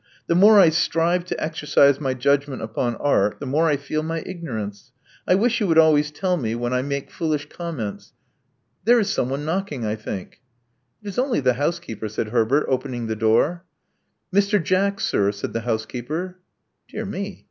The morS I^ strive to exercise my judgment upon art, the mor^ I feel my ignorance. I wish you would always tell me when I i 20 Love Among the Artists make foolish comments. There is someone knocking, I think." It is only the housekeeper," said Herbert, opening the door. *'Mr. Jack, sir," said the housekeeper. Dear me!